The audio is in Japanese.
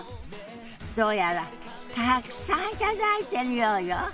どうやらたくさん頂いてるようよ。